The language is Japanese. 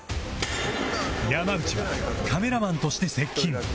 山内はカメラマンとして接近